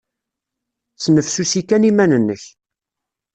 Snefsusi kan iman-nnek.